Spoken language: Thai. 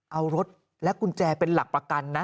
เอารถและกุญแจเป็นหลักประกันนะ